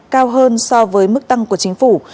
cao hơn so với mức tăng của chính phủ